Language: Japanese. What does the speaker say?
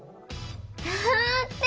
だって！